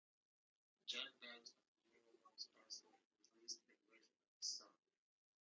John Boutte of New Orleans also released a version of this song.